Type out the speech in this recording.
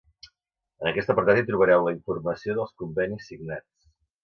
En aquest apartat hi trobareu la informació dels convenis signats.